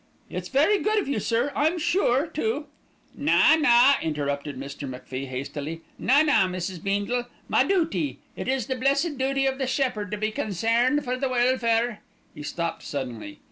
"It's very good of you, sir, I'm sure, to " "Na, na," interrupted Mr. MacFie hastily, "na, na, Mrs. Beendle, ma duty. It is the blessed duty of the shepherd to be consairned for the welfare " He stopped suddenly.